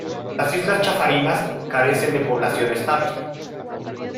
Las islas Chafarinas carecen de población estable.